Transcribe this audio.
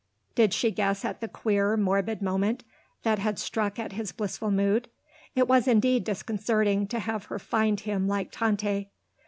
Did she guess at the queer, morbid moment that had struck at his blissful mood? It was indeed disconcerting to have her find him like Tante.